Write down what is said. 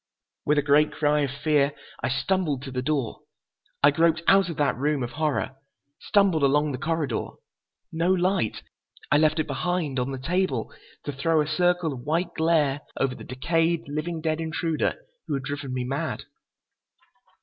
With a great cry of fear I stumbled to the door. I groped out of that room of horror, stumbled along the corridor. No light. I left it behind, on the table, to throw a circle of white glare over the decayed, living dead intruder who had driven me mad.